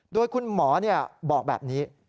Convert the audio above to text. โดยคุณหมอบอกแบบนี้